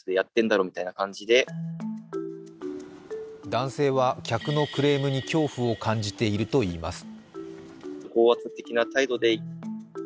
男性は客のクレームに恐怖を感じているといいます。